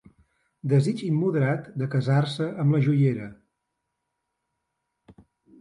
Desig immoderat de casar-se amb la joiera.